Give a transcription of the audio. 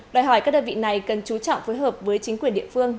đòi hỏi các đơn vị này cần chú trọng phối hợp với chính quyền địa phương